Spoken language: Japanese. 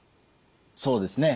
そうですね。